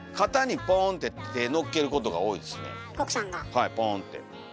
はいポンって。